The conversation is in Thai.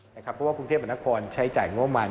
เพราะว่ากรุงเทพมนครใช้จ่ายงบมาร